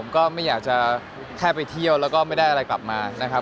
ก็ไม่อยากจะแค่ไปเที่ยวแล้วก็ไม่ได้อะไรกลับมานะครับ